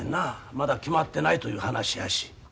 まだ決まってないという話やし。